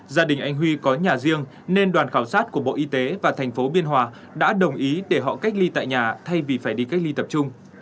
gia đình anh huy có nhà riêng nên đoàn khảo sát của bộ y tế và thành phố biên hòa đã đồng ý để họ cách ly tại nhà thay vì phải đi cách ly tập trung